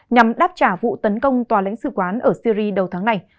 nhằm đáp trả vụ tấn công tòa lãnh sự quán ở syri đầu tháng này